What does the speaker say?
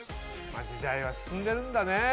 時代は進んでるんだね。